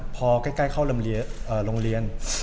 เพราะว่าพอใกล้เข้าโรงเรียน